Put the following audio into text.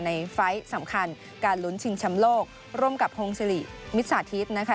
ไฟล์สำคัญการลุ้นชิงชำโลกร่วมกับโฮงสิริมิตสาธิตนะคะ